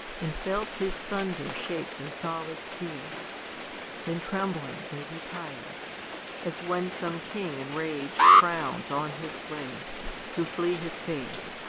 And felt his thunder shake their solid spheres, 1'han trembling they retire ; as when some king Enrag'd frowns on his slaves, who flee his face.